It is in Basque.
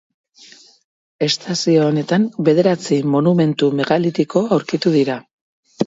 Estazio honetan bederatzi monumentu megalitiko aurkitu dira.